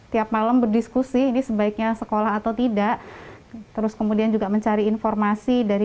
tiap malam berdiskusi ini sebaiknya sekolah atau tidak terus kemudian juga mencari informasi dari